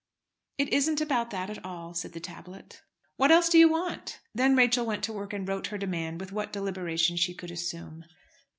"It isn't about that at all," said the tablet. "What else do you want?" Then Rachel went to work and wrote her demand with what deliberation she could assume.